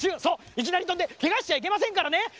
そういきなりとんでけがしちゃいけませんからね。